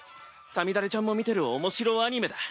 さみだれちゃんも見てる面白アニメだ。